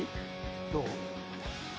どう？